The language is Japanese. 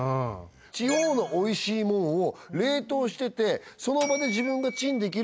地方のおいしいもんを冷凍しててその場で自分がチンできる